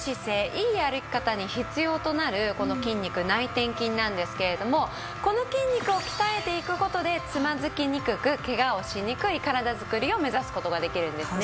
いい歩き方に必要となるこの筋肉内転筋なんですけれどもこの筋肉を鍛えていく事でつまずきにくくケガをしにくい体づくりを目指す事ができるんですね。